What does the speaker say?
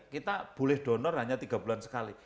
kita boleh donor hanya tiga bulan sekali